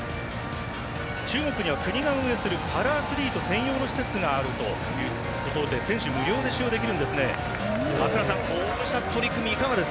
中国には、国が運営するパラアスリート専用の施設があるということで選手が無料で使用できるということです。